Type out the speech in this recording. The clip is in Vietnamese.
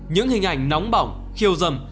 những hình ảnh nóng bỏng khiêu dâm